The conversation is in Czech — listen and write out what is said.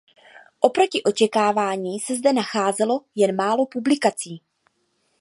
Oproti očekávání se zde nacházelo jen málo publikací.